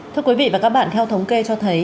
thưa quý vị và các bạn theo thống kê cho thấy